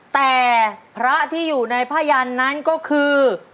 แต่พระที่อยู่ในผ้ายันนั้นก็คือ